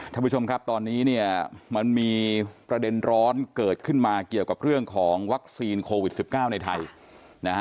ท่านผู้ชมครับตอนนี้เนี่ยมันมีประเด็นร้อนเกิดขึ้นมาเกี่ยวกับเรื่องของวัคซีนโควิด๑๙ในไทยนะฮะ